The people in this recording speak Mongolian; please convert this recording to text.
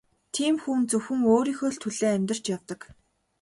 Тийм хүн зөвхөн өөрийнхөө л төлөө амьдарч явдаг.